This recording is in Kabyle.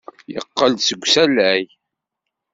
Yeqqel-d seg usalay.